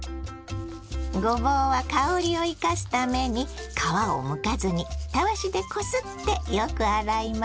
ごぼうは香りを生かすために皮をむかずにたわしでこすってよく洗います。